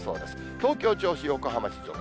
東京、銚子、横浜、静岡。